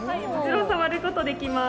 触ることができます。